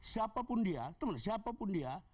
siapapun dia teman siapapun dia